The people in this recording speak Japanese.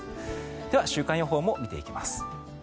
では、週間予報も見ていきます。